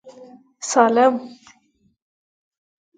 سالم.